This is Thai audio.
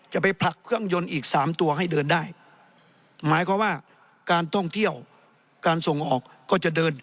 หมายความว่าการท่องเที่ยวการส่งออกก็จะเดิน